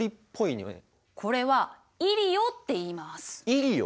イリオ？